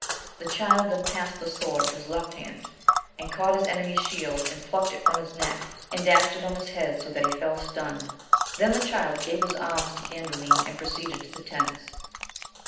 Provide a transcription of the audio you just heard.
The Child then passed the sword to his left hand, and caught his enemy's shield, and plucked it from liis neck and dashed it on his head, VOL. I. ^ 50 AMADIS OF GAUL. so that he fell stunned. Then the Child gave his arms to Gandalin, and proceeded to the tents.